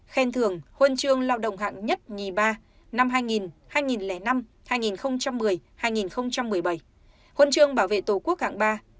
khen thường huân chương lao động hạng nhất nhì ba năm hai nghìn hai nghìn năm hai nghìn một mươi hai nghìn một mươi bảy huân chương bảo vệ tổ quốc hạng ba